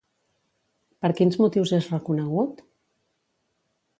Per quins motius és reconegut?